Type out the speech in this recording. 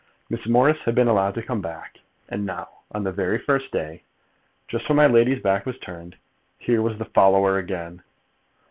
Miss Morris had been allowed to come back; and now, on the very first day, just when my lady's back was turned, here was the follower again!